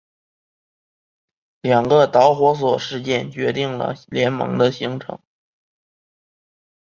两个导火索事件决定了联盟的形成。